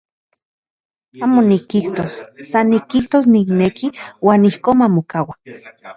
Amo nikijtos, san nikijtos nikneki uan ijkon mamokaua.